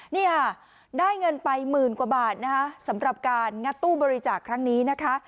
นี่ค่ะได้เงินไปหมื่นกว่าบาทนะคะสำหรับการงัดตู้บริจาคครั้งนี้นะคะ